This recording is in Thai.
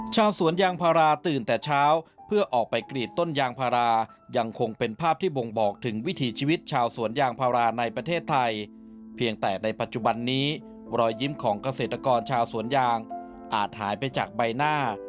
ชาวสวนยางพาราตื่นแต่เช้าเพื่อออกไปกรีดต้นยางพารายังคงเป็นภาพที่บ่งบอกถึงวิถีชีวิตชาวสวนยางพาราในประเทศไทยเพียงแต่ในปัจจุบันนี้รอยยิ้มของเกษตรกรชาวสวนยางอาจหายไปจากใบหน้า